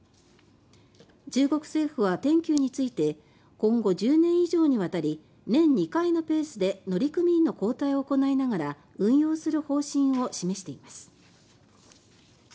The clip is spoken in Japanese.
中国政府は天宮について今後１０年以上にわたり年２回のペースで乗組員の交代を行いながら運用する方針を示しています。